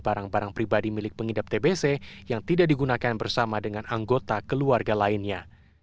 barang barang pribadi milik pengidap tbc yang tidak digunakan bersama dengan anggota keluarga lainnya